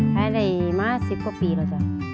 ภายในมา๑๐กว่าปีแล้วจ้ะ